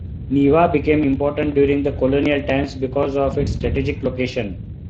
Neiva became important during the colonial times because of its strategic location.